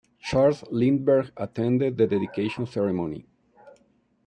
Charles Lindbergh attended the dedication ceremony.